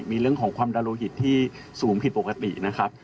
มีเรื่องของความดาโลหิตที่สูงผิดปกตินะครับ